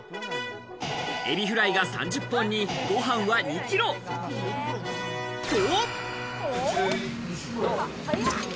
エビフライが３０本に、ご飯は２キロ。と！